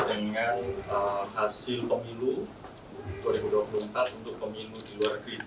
dengan hasil pemilu dua ribu dua puluh empat untuk pemilu di luar negeri